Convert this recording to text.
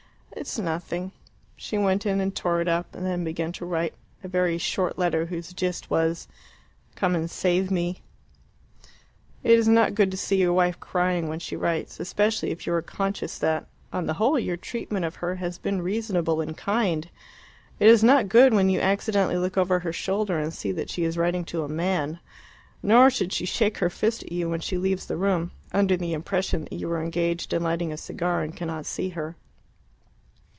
"It's nothing." She went in and tore it up, and then began to write a very short letter, whose gist was "Come and save me." It is not good to see your wife crying when she writes especially if you are conscious that, on the whole, your treatment of her has been reasonable and kind. It is not good, when you accidentally look over her shoulder, to see that she is writing to a man. Nor should she shake her fist at you when she leaves the room, under the impression that you are engaged in lighting a cigar and cannot see her.